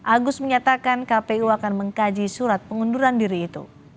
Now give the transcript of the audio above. agus menyatakan kpu akan mengkaji surat pengunduran diri itu